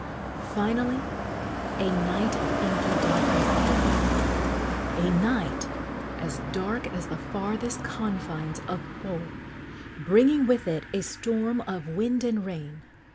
Finally a night of inky darkness came a night "as dark as the farthest confines of Po" bringing with it a storm of wind and rain.